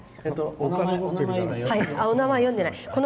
お名前読んでない。